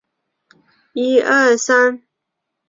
古培雷火山遗骸目前仍在火山北部。